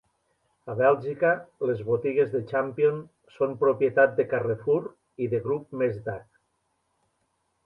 A Bèlgica, les botigues de Champion són propietat de Carrefour i de Groupe Mestdagh.